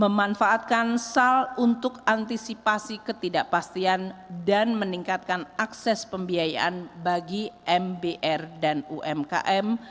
memanfaatkan sal untuk antisipasi ketidakpastian dan meningkatkan akses pembiayaan bagi mbr dan umkm